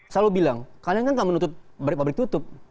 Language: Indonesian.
selalu bilang kalian kan gak menutup pabrik tutup